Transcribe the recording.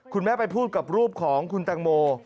คุณแม่ไปพูดกับรูปของคุณตังโม